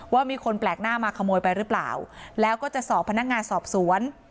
ว่ามีคนแปลกหน้ามาขโมยไปหรือเปล่าแล้วก็จะสอบพนักงานสอบสวน